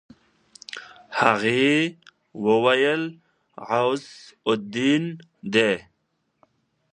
هغې وويل غوث الدين دی.